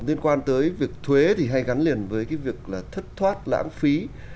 liên quan tới việc thuế thì hay gắn liền với cái việc là thất thoát lãng phí